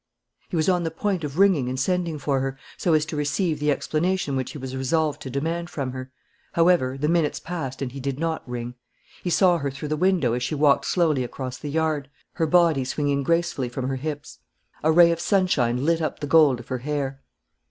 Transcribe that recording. He was on the point of ringing and sending for her, so as to receive the explanation which he was resolved to demand from her. However, the minutes passed and he did not ring. He saw her through the window as she walked slowly across the yard, her body swinging gracefully from her hips. A ray of sunshine lit up the gold of her hair.